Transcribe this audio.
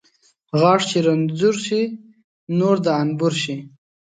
غاښ چې رنځور شي ، نور د انبور شي .